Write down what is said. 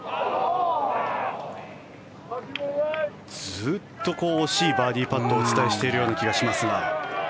ずっと惜しいバーディーパットをお伝えしているような気がしますが。